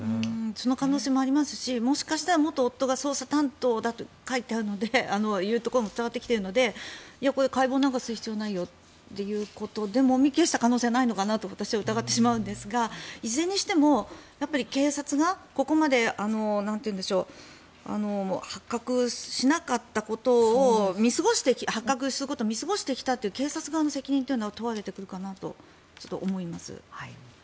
その可能性もありますしもしかしたら元夫が捜査担当だというところも伝わってきているのでこれは解剖なんかする必要ないよってことでもみ消した可能性はないのかなと私は疑ってしまうんですがいずれにしても警察がここまで発覚することを見過ごしてきたという警察側の責任というのは問われてくるかなと思います。